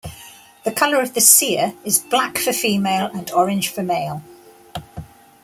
The colour of the cere is black for female and orange for male.